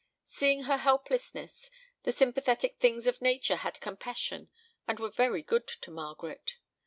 Seeing her helplessness, the sympathetic things of Nature had compassion and were very good to Margaret.